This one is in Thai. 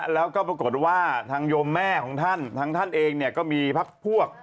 แล้วก็ปรากฏว่าทางโยมแม่ของท่านทางท่านเองเนี่ยก็มีพักพวก